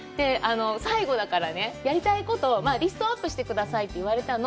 最後だからね、やりたいことをリストアップしてくださいって言われたの。